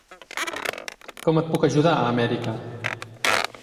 Com et puc ajudar a Amèrica?